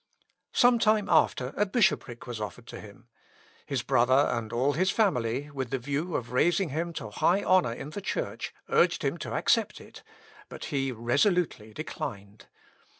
Some time after a bishopric was offered to him. His brother, and all his family, with the view of raising him to high honour in the Church, urged him to accept it, but he resolutely declined.